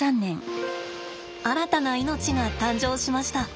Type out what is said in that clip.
新たな命が誕生しました。